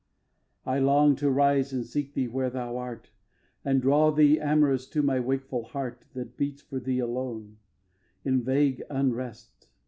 iii. I long to rise and seek thee where thou art And draw thee amorous to my wakeful heart That beats for thee alone, in vague unrest.